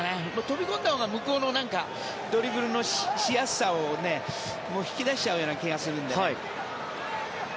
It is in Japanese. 飛び込んだほうが相手のドリブルのしやすさを引き出しちゃう気がするので。